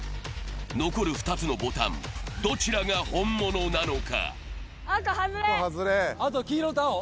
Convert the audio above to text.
残る２つのボタン、どちらが本物なのか。